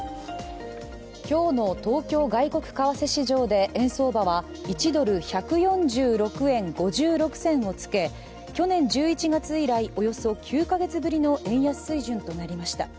今日の東京外国為替市場で円相場は１ドル＝１４６円５６銭をつけ、去年１１月以来、およそ９か月ぶりの円安水準となりました。